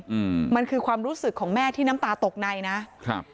อืมมันคือความรู้สึกของแม่ที่น้ำตาตกในนะครับ